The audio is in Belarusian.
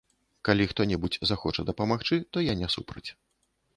Калі хто-небудзь захоча дапамагчы, то я не супраць.